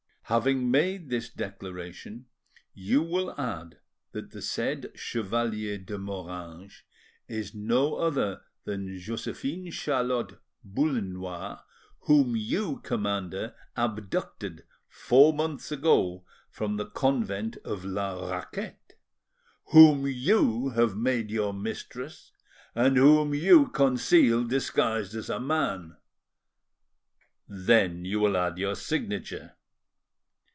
Having made this declaration, you will add that the said Chevalier de Moranges is no other than Josephine Charlotte Boullenois, whom you, commander, abducted four months ago from the convent of La Raquette, whom you have made your mistress, and whom you conceal disguised as a man; then you will add your signature.